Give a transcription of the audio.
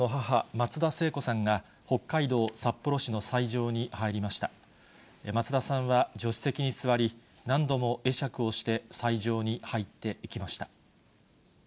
松田さんは助手席に座り、何度も会釈をして斎場に入っていきました。